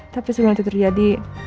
tapi sebelum itu terjadi